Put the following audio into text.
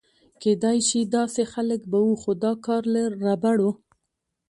کېدای شي داسې خلک به و، خو دا کار له ربړو.